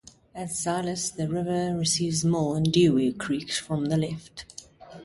At Siletz, the river receives Mill and Dewey creeks from the left.